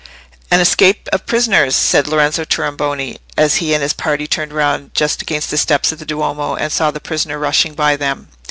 "An escape of prisoners," said Lorenzo Tornabuoni, as he and his party turned round just against the steps of the Duomo, and saw a prisoner rushing by them.